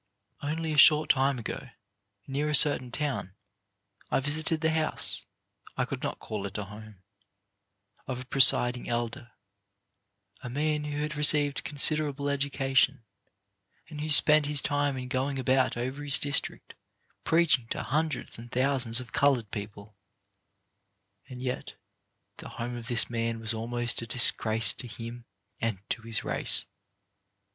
Only a short time ago, near a certain town, I visited the house — I could not call it a home — of a presiding elder, a man who had received considerable education, and who spent his time in going about over his district preaching to hundreds and thousands of coloured people; and yet the home of this man was almost a disgrace to him and to his race.